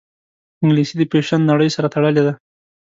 انګلیسي د فیشن نړۍ سره تړلې ده